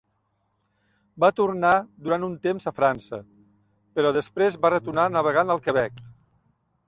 Va tornar durant un temps a França, però després va retornar navegant al Quebec.